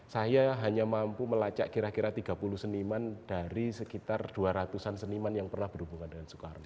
saya hanya mampu melacak kira kira tiga puluh seniman dari sekitar dua ratus an seniman yang pernah berhubungan dengan soekarno